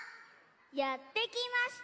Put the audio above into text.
やってきました